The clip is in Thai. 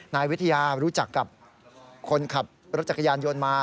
นายวิทยารู้จักกับคนขับรถจักรยานยนต์มา